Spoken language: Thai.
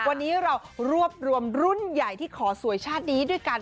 วันนี้เรารวบรวมรุ่นใหญ่ที่ขอสวยชาตินี้ด้วยกัน